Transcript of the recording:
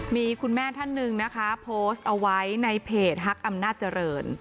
มีคุณแม่ท่านหนึ่งนะคะโพสต์เอาไว้ในเพจฮักอำนาจเจริญ